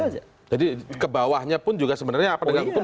jadi kebawahnya pun sebenarnya apa dengan hukum